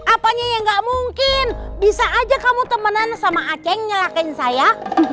apanya ya gak mungkin bisa aja kamu temenan sama aceh yang nyerahkan saya